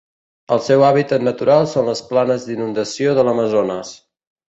El seu hàbitat natural són les planes d'inundació de l'Amazones.